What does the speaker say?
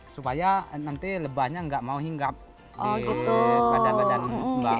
supaya nanti lebahnya enggak mau hinggap pada badan lembah